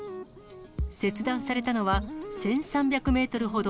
切断されたのは、１３００メートルほど。